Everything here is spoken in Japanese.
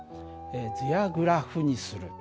図やグラフにする。